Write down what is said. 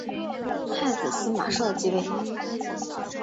太子司马绍即位。